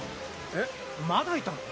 えっまだいたの？